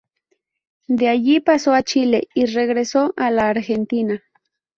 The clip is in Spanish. De allí pasó a Chile, y regresó a la Argentina.